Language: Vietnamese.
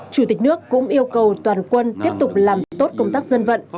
chủ tịch nước cũng yêu cầu toàn quân tiếp tục làm tốt công tác dân vận